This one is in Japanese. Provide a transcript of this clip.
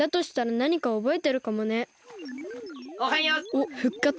おっふっかつ？